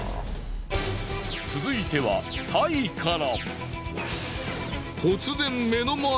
続いてはタイから。